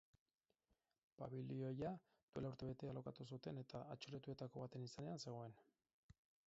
Pabilioia duela urtebete alokatu zuten eta atxilotuetako baten izenean zegoen.